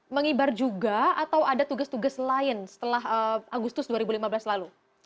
mengibar juga atau ada tugas tugas lain setelah agustus dua ribu lima belas lalu